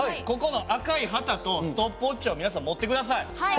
ここの赤い旗とストップウォッチを皆さん持って下さい。